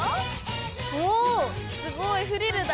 おすごいフリルだ！